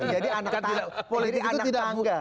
jadi anak tangga